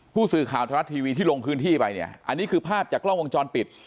ผู้สื่อข่าวทรัฐทีวีที่ลงพื้นที่ไปเนี่ยอันนี้คือภาพจากกล้องวงจรปิด